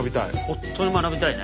本当に学びたいね。